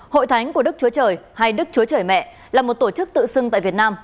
hội thánh của đức chúa trời hay đức chúa trời mẹ là một tổ chức tự xưng tại việt nam